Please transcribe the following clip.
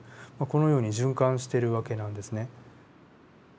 このように循環している訳なんですね。